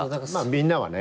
みんなはね。